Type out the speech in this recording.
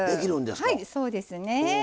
はいそうですね。